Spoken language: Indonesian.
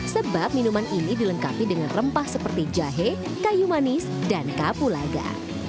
sebab minuman ini dilengkapi dengan rempah seperti jahe kayu manis dan kapulaga